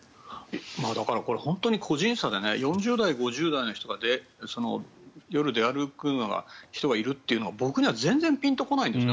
だからこれは本当に個人差で４０代、５０代の人が夜に出歩くような人がいるというのは僕には全然ピンと来ないんですね。